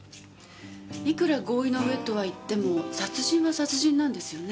いくら合意の上とはいっても殺人は殺人なんですよね？